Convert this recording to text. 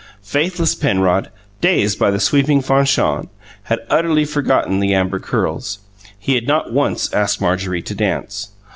Faithless Penrod, dazed by the sweeping Fanchon, had utterly forgotten the amber curls; he had not once asked Marjorie to dance.